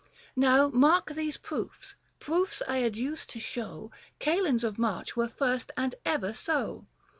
140 Now mark these proofs — proofs I adduce to show Kalends of March were first and ever so.